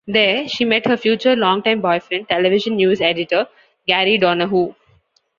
There, she met her future longtime boyfriend, television news editor Gary Donahue.